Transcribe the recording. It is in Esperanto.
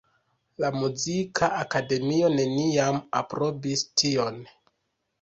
La muzika akademio neniam aprobis tion.